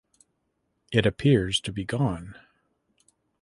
It appears to be gone.